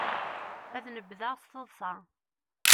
Ad n-beddeɣ s teḍsa.